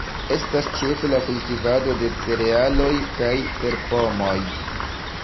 Estas ĉefe la kultivado de cerealoj kaj terpomoj.